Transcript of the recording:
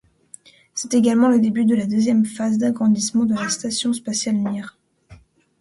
C'est également le début de la deuxième phase d'agrandissement de la station spatiale Mir.